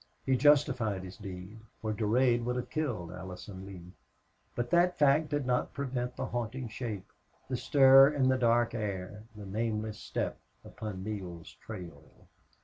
He justified his deed, for Durade would have killed Allison Lee. But that fact did not prevent the haunting shape, the stir in the dark air, the nameless step upon Neale's trail.